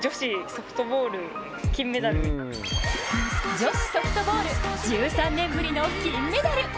女子ソフトボール１３年ぶりの金メダル。